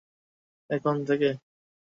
এখন থেকে দেখে শুনে পড়ে যেতে হবে।